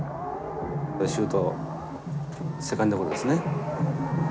シュートセカンドゴロですね。